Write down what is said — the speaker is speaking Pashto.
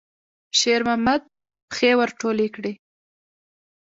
شېرمحمد پښې ور ټولې کړې.